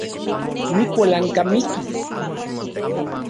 Nikualankamiki